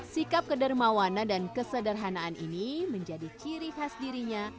sikap kedermawana dan kesederhanaan ini menjadi ciri khas dirinya